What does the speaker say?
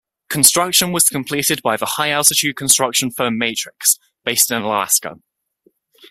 Construction was completed by the high-altitude construction firm Matrix, based in Alaska.